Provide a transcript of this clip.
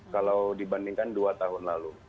kalau dibandingkan dua tahun lalu